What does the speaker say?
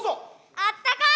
あったかい